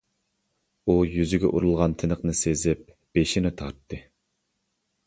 ئۇ يۈزىگە ئۇرۇلغان تىنىقنى سېزىپ بېشىنى تارتتى.